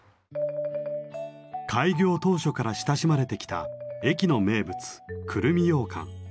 開業当初から親しまれてきた駅の名物くるみようかん。